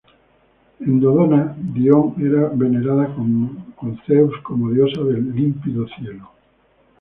En Dodona, Dione era venerada con Zeus como diosa del límpido cielo.